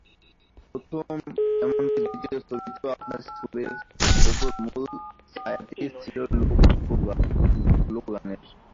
প্রথম, এমনকি দ্বিতীয় ছবিতেও আপনার সুরের ওপর মূল ছায়াটি ছিল লোকগানের।